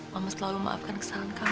mama selalu maafkan kesalahan kamu